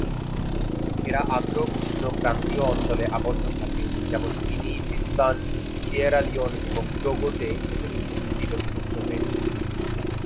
এরা আর্দ্র উষ্ণ ক্রান্তীয় অঞ্চলে আবদ্ধ থাকে যেমন-গিনি-বিসসান, সিয়েরা লিওন এবং টোগো তে এদের উপস্থিতি নথিভুক্ত হয়েছে।